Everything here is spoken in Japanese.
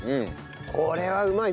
これはうまいぞ。